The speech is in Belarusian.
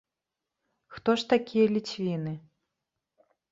Хто ж такія ліцвіны?